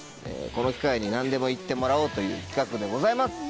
この機会に何でも言ってもらおうという企画でございます。